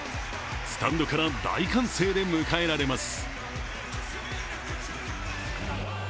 スタンドから大歓声で迎えられます。